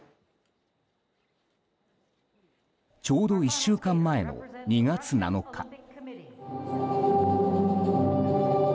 ちょうど１週間前の２月７日。